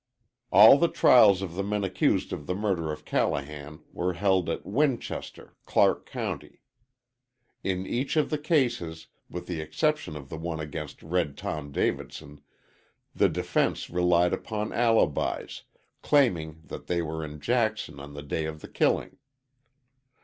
All the trials of the men accused of the murder of Callahan were held at Winchester, Clark County. In each of the cases, with the exception of the one against Red Tom Davidson, the defense relied upon alibis, claiming that they were in Jackson on the day of the killing.